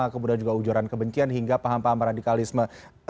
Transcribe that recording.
kemudian juga ujaran kebencian hingga paham paham radikalisme